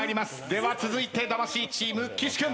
では続いて魂チーム岸君。